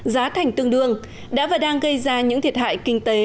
giá thành tương đương đã và đang gây ra những thiệt hại kinh tế